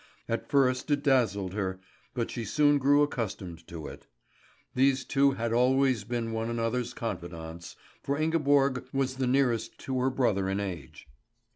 At first it dazzled her, but she soon grew accustomed to it. These two had always been one another's confidants, for Ingeborg was the nearest to her brother in age.